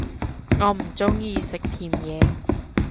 我唔鍾意食甜野